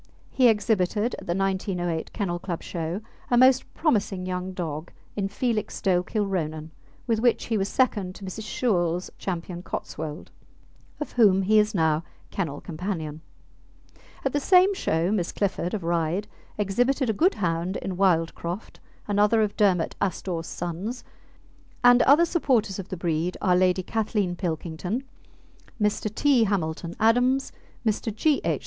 He exhibited at the 1908 Kennel Club show a most promising young dog in Felixstowe Kilronan, with which he was second to Mrs. Shewell's Ch. Cotswold, of whom he is now kennel companion. At the same show Miss Clifford, of Ryde, exhibited a good hound in Wildcroft, another of Dermot Astore's sons, and other supporters of the breed are Lady Kathleen Pilkington, Mr. T. Hamilton Adams, Mr. G. H.